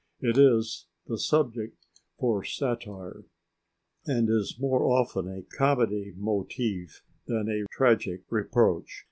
It is a subject for satire, and is more often a comedy motive than a tragic reproach.